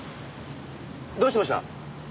どうしました？